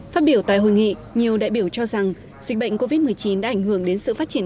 phát biểu tại hội nghị nhiều đại biểu cho rằng dịch bệnh covid một mươi chín đã ảnh hưởng đến sự phát triển